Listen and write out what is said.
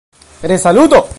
resaluto